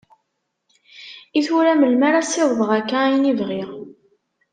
I tura melmi ara ssiwḍeɣ akka ayen i bɣiɣ?